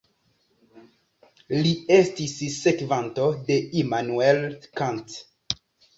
Li estis sekvanto de Immanuel Kant.